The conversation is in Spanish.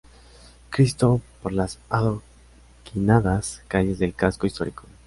Cristo por las adoquinadas calles del Casco Histórico.